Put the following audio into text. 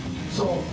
そう？